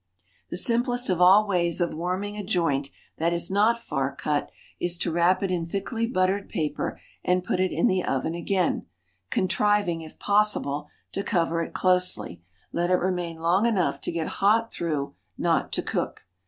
The simplest of all ways of warming a joint that is not far cut, is to wrap it in thickly buttered paper, and put it in the oven again, contriving, if possible, to cover it closely, let it remain long enough to get hot through, not to cook.